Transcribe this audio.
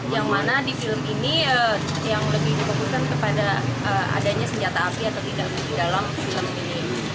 yang mana di film ini yang lebih difokuskan kepada adanya senjata api atau tidak di dalam film ini